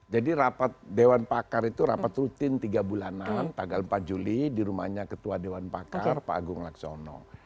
jadi rapat dewan pakar itu rapat rutin tiga bulanan tanggal empat juli di rumahnya ketua dewan pakar pak agung laksono